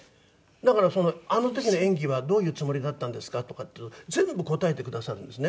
だからあの時の演技はどういうつもりだったんですか？とかっていうのを全部答えてくださるんですね。